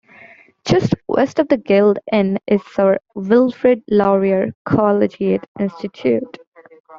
Just west of the Guild Inn is Sir Wilfrid Laurier Collegiate Institute.